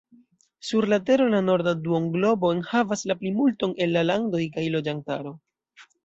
Sur la tero la norda duonglobo enhavas la plimulton el la landoj kaj loĝantaro.